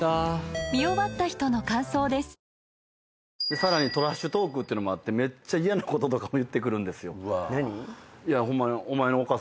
さらにトラッシュトークっていうのもあってめっちゃ嫌なこととかも言ってくるんですよ。